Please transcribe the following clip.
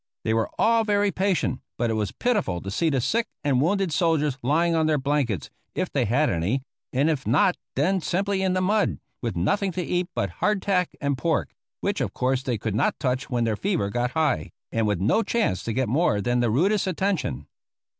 They were all very patient, but it was pitiful to see the sick and wounded soldiers lying on their blankets, if they had any, and if not then simply in the mud, with nothing to eat but hardtack and pork, which of course they could not touch when their fever got high, and with no chance to get more than the rudest attention.